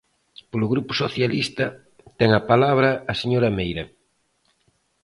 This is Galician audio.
Polo Grupo Socialista, ten a palabra a señora Meira.